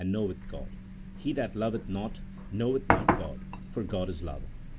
185 knoweth God : lie that loveth not, knoweth not God ; for God is love."